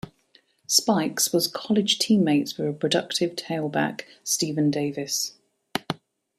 Spikes was college teammates with productive tailback Stephen Davis.